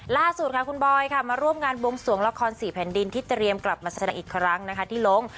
ล่าสุดค่ะคุณบอยค่ะมาร่วมงานบวงสวงละคร๔แผ่นดินที่เตรียมกลับมาแสดงอีกครั้งนะคะที่ลง